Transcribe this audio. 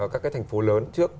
các cái thành phố lớn trước